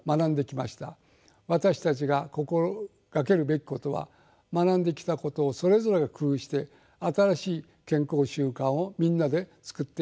私たちが心掛けるべきことは学んできたことをそれぞれ工夫して「新しい健康習慣」をみんなで作っていくことです。